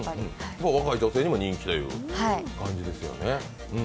若い女性にも人気という感じですよね。